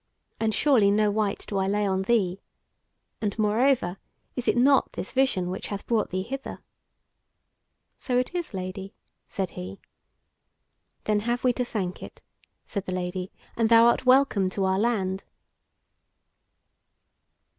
And surely no wyte do I lay on thee. And, moreover, is it not this vision which hath brought thee hither?" "So it is, Lady," said he. "Then have we to thank it," said the Lady, "and thou art welcome to our land."